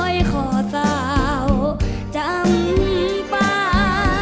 อ้อยขอสาวจำนี้ป่า